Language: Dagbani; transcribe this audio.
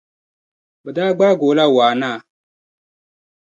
Bɛ daa gbaagi o la Wa naa.